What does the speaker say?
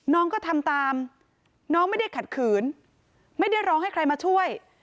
น้องก็ทำตามน้องไม่ได้ขัดขืนไม่ได้ร้องให้ใครมาช่วย